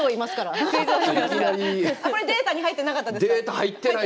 あんまりデータに入ってなかったですか？